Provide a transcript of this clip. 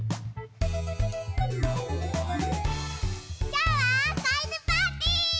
きょうはこいぬパーティー！